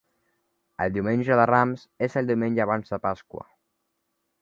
El Diumenge de Rams és el diumenge abans de Pasqua.